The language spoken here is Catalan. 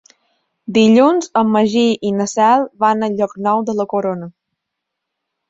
Dilluns en Magí i na Cel van a Llocnou de la Corona.